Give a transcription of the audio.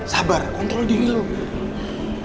sabar kontrol diri lo